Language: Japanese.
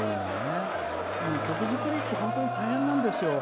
曲作りって本当に大変なんですよ。